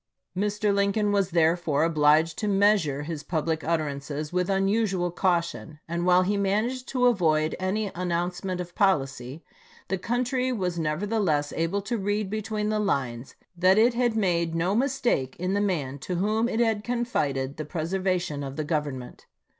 Mr. Lincoln was therefore obliged to measure his public utterances with unusual caution ; and while he managed to avoid any an nouncement of policy, the country was neverthe less able to read between the lines that it had made no mistake in the man to whom it had confided the preservation of the Government.